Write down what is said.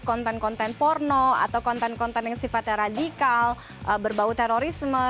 konten konten porno atau konten konten yang sifatnya radikal berbau terorisme